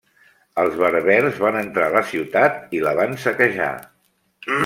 Els berbers van entrar a la ciutat i la van saquejar.